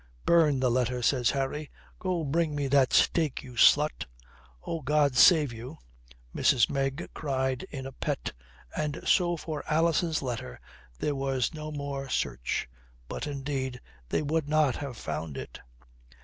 "Burn the letter," says Harry. "Go, bring me that steak, you slut." "Oh, God save you," Mrs. Meg cried in a pet, and so for Alison's letter there was no more search. But indeed they would not have found it.